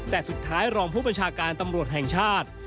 แต่สุดท้ายรองผู้บัญชาการตำรวจแห่งชาติ